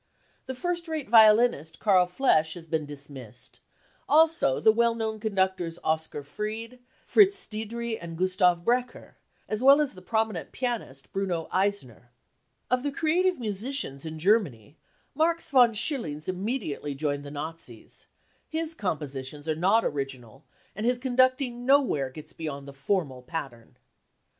The first rate violinist l$.arl Flesch has been dismissed ; also the well known conductors THE CAMPAIGN AGAINST CULTURE 181 Oskar Fried, Fritz Stiedry and Gustav Brecher, as well as the prominent pianist Bruno Eisner. Of the creative musicians in Germany, Marx von Schillings immediately joined the Nazis ; his compositions are not original, and his conducting nowhere gets beyond the formal pattern.